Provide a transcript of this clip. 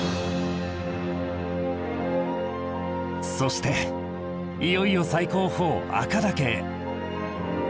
そしていよいよ最高峰赤岳へ。